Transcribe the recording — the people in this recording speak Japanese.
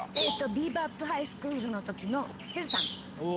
『ビー・バップ・ハイスクール』の時のテルさん。